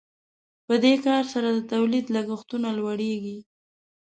په دې کار سره د تولید لګښتونه لوړیږي.